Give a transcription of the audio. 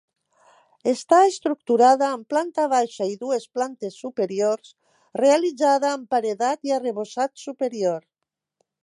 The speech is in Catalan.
Està estructurada amb planta baixa i dues plantes superiors, realitzada amb paredat i arrebossat superior.